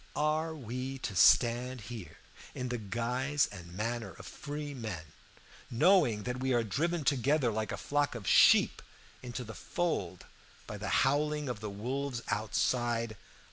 Are we to stand here in the guise and manner of free men, knowing that we are driven together like a flock of sheep into the fold by the howling of the wolves outside?